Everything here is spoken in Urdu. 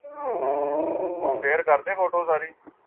صرف سوپ، جوس، اور دیگر سیال اشیاء کا استعمال جاری رکھیں۔